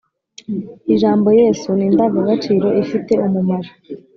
Ijambo yesu ni indangagaciro ifite umumaro.